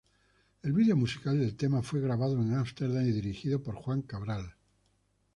El video musical del tema fue grabado en Ámsterdam y dirigido por Juan Cabral.